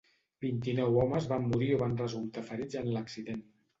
Vint-i-nou homes van morir o van resultar ferits en l'accident.